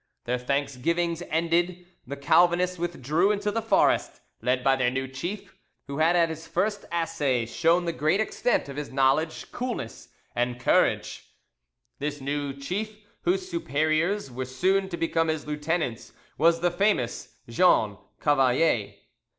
Their thanksgivings ended, the Calvinists withdrew into the forest, led by their new chief, who had at his first assay shown the great extent of his knowledge, coolness, and courage. This new chief, whose superiors were soon to become his lieutenants, was the famous Jean Cavalier.